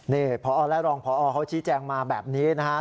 นี่พอและรองพอเขาชี้แจงมาแบบนี้นะครับ